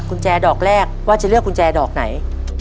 กุญแจดอกแรกว่าจะเลือกกุญแจดอกไหน